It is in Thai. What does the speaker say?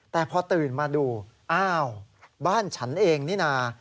แต่พอตื่นมาดูอ้าวบ้านฉันเองนี่นะ